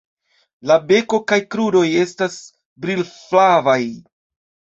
La beko kaj kruroj estas brilflavaj.